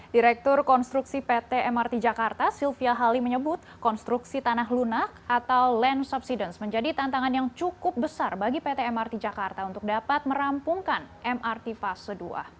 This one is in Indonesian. direktur konstruksi pt mrt jakarta sylvia hali menyebut konstruksi tanah lunak atau land subsidence menjadi tantangan yang cukup besar bagi pt mrt jakarta untuk dapat merampungkan mrt fase dua